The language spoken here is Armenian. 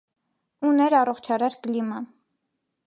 Ուներ առողջարար կլիմա։